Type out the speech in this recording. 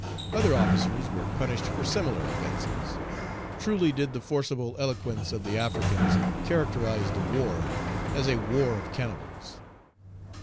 Other officers were punished for similar offences. Truly did the forcible eloquence of the Africans characterize the war as "a War of Cannibals."